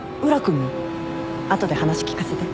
後で話聞かせて。